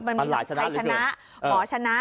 มีใครชนะหมอชนะ